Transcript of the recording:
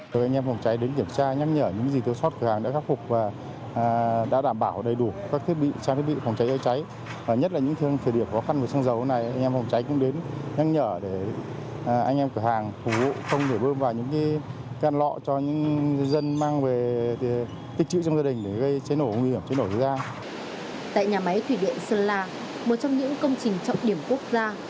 tại nhà máy thủy điện sơn la một trong những công trình trọng điểm quốc gia